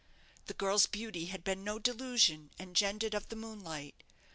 The girl's beauty had been no delusion engendered of the moonlight.